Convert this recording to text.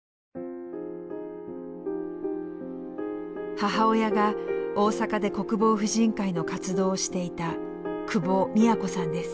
母親が大阪で国防婦人会の活動をしていた久保三也子さんです。